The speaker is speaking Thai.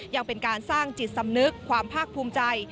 ยังเป็นการสร้างจิตสำนึกความภาคภูมิใจ